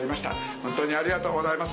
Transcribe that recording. ホントにありがとうございます。